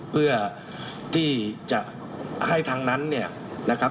เพื่อที่จะให้ทางนั้นเนี่ยนะครับ